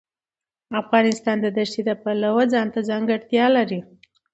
افغانستان د دښتې د پلوه ځانته ځانګړتیا لري.